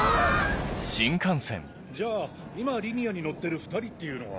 じゃあ今リニアに乗ってる２人っていうのは。